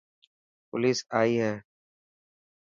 پوليس آئي هي.